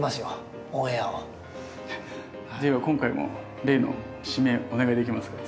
では今回も例の締めお願いできますか？